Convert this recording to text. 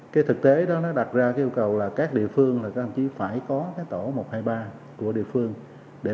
cái thực tế đó nó đặt ra cái yêu cầu là các địa phương chỉ phải có cái tổ một trăm hai mươi ba của địa phương để